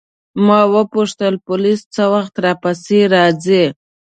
ما وپوښتل پولیس څه وخت راپسې راځي.